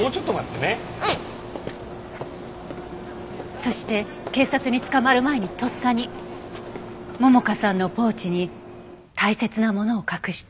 そして警察に捕まる前にとっさに桃香さんのポーチに大切なものを隠した。